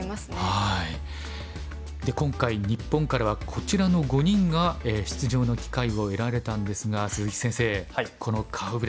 今回日本からはこちらの５人が出場の機会を得られたんですが鈴木先生この顔ぶれどうでしょう。